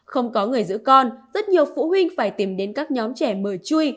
không có người giữ con rất nhiều phụ huynh phải tìm đến các nhóm trẻ mờ chui